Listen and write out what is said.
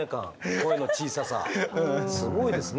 声の小ささすごいですね。